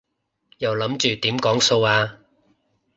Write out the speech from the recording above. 又諗住點講數啊？